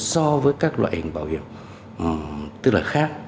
so với các loại hình bảo hiểm tức là khác